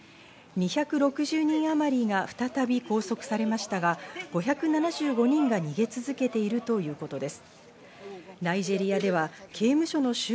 ２６０人あまりが再び拘束されましたが、５７５人が逃げ続けているということです。